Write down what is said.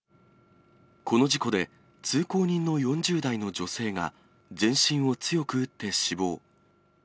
この事故で、通行人の４０代の女性が、全身を強く打って死亡。